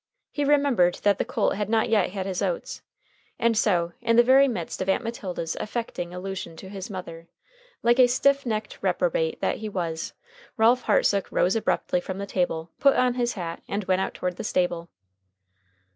He remembered that the colt had not yet had his oats, and so, in the very midst of Aunt Matilda's affecting allusion to his mother, like a stiff necked reprobate that he was, Ralph Hartsook rose abruptly from the table, put on his hat, and went out toward the stable.